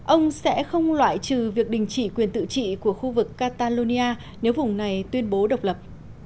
ông sẽ không loại trừ việc đình chỉ quyền tự trị của khu vực catalonia nếu vùng này tuyên bố độc lập